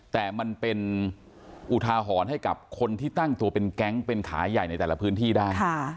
แต่มันเป็นอุทาหรณ์ให้กับคนที่ตั้งตัวเป็นแก๊งเป็นขายใหญ่ในแต่ละพื้นที่ได้